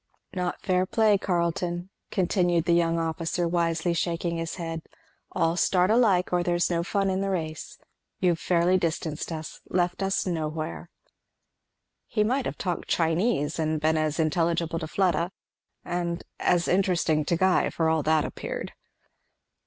"Not fair play, Carleton," continued the young officer, wisely shaking his head, "all start alike, or there's no fun in the race. You've fairly distanced us left us nowhere." He might have talked Chinese and been as intelligible to Fleda, and as interesting to Guy, for all that appeared.